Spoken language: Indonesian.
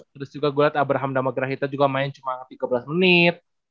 terus juga gue lihat abraham dama grahita juga main cuma tiga belas menit